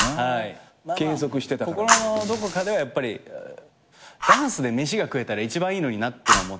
心のどこかではやっぱりダンスで飯が食えたら一番いいのになっていうのは思ってて。